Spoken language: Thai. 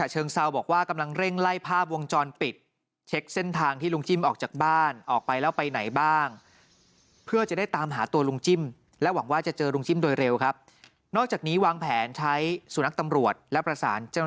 แหน่งกลางดังนี้ซีวานแหน่งคือแกขี่มือสายส่วนกันแต่พี่